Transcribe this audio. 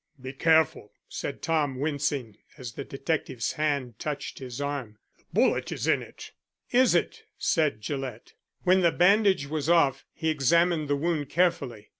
"Be careful," said Tom wincing, as the detective's hand touched his arm. "The bullet is in it." "Is it?" said Gillett. When the bandage was off he examined the wound carefully.